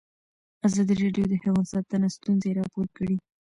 ازادي راډیو د حیوان ساتنه ستونزې راپور کړي.